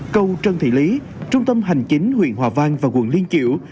cầu trân thị lý trung tâm hành chính huyện hoa vang và quận liên triệu